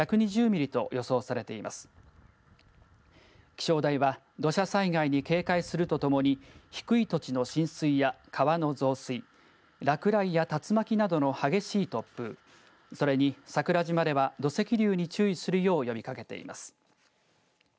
気象台は土砂災害に警戒するとともに低い土地の浸水や川の増水落雷や竜巻などの激しい突風それに桜島では土石流に注意するよう呼びかけています。